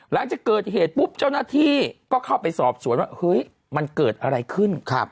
หลังจากเกิดเหตุปุ๊บเจ้าหน้าที่ก็เข้าไปสอบสวนว่าเฮ้ยมันเกิดอะไรขึ้น